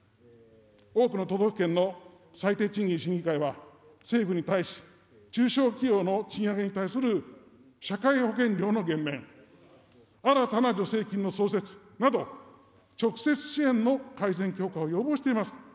多くの都道府県の最低賃金審議会は、政府に対し、中小企業の賃上げに対する社会保険料の減免、新たな助成金の創設など、直接支援の改善、強化を要望しています。